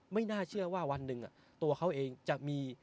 ไม่น่าเชื่อว่าวันหนึ่งตัวเขาเองจะมี